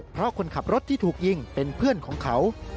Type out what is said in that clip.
เพราะคนขับรถที่ถูกยิงเป็นเพื่อนของเขา